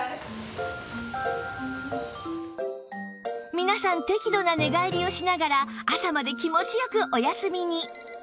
皆さん適度な寝返りをしながら朝まで気持ち良くお休みに